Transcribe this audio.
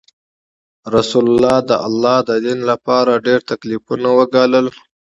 رسول الله د الله د دین لپاره ډیر تکلیفونه وګالل.